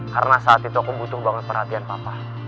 karena saat itu aku butuh banget perhatian papa